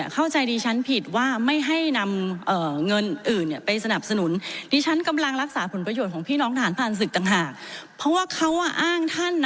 ครับขอบคุณ